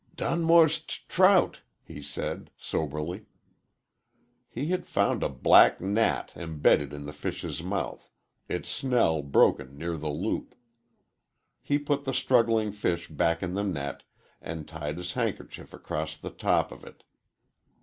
"Dunmore's t trout!" he said, soberly. He had found a "black gnat" embedded in the fish's mouth, its snell broken near the loop. He put the struggling fish back in the net and tied his handkerchief across the top of it.